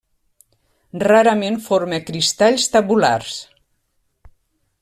Rarament forma cristalls tabulars.